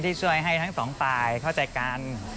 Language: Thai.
ที่ช่วยให้ทั้งสองฝ่ายเข้าใจกัน